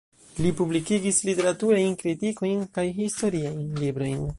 Li publikigis literaturajn kritikojn kaj historiajn librojn.